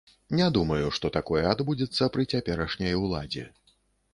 Не думаю, што такое адбудзецца пры цяперашняй уладзе.